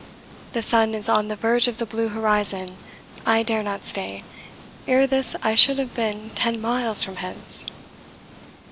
"The sun is on the verge of the blue horizon I dare not stay. Ere this I should have been ten miles from hence."